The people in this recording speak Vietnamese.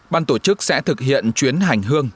ban tổ chức sẽ thực hiện chuyến hành hương